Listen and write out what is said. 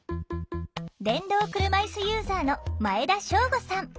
電動車いすユーザーの前田渉吾さん。